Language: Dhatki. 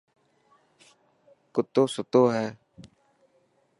ڪتو ستو هي.